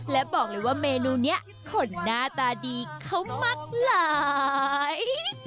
และบอกเลยว่าเมนูนี้คนหน้าตาดีเขามักหลาย